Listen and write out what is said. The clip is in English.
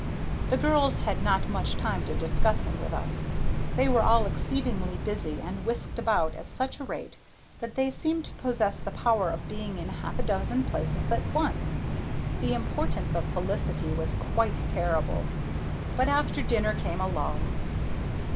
The girls had not much time to discuss him with us. They were all exceedingly busy and whisked about at such a rate that they seemed to possess the power of being in half a dozen places at once. The importance of Felicity was quite terrible. But after dinner came a lull.